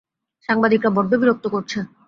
সাংবাদিকরা বড্ড বিরক্ত করছে।